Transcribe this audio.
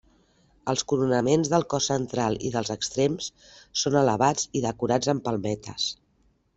Els coronaments del cos central i dels extrems són elevats i decorats amb palmetes.